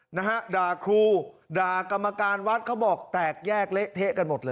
นะฮะด่าครูด่ากรรมการวัดเขาบอกแตกแยกเละเทะกันหมดเลย